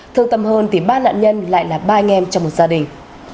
thương tâm hơn thì ba nạn nhân lại là ba anh em trong một gia đình